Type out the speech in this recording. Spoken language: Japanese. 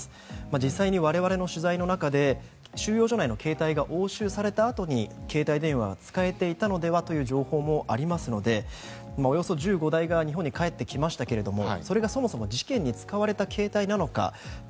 実際に我々の取材の中で収容所内の携帯が押収されたあとに携帯電話が使えていたのではという情報もありますのでおよそ１５台が日本に返ってきましたけどもそれが、そもそも事件に使われた携帯なのか。